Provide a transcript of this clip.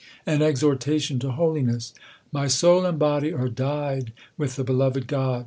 An exhortation to holiness : My soul and body are dyed with the beloved God.